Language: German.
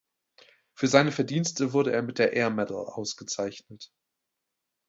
Für seine Verdienste wurde er mit der Air Medal ausgezeichnet.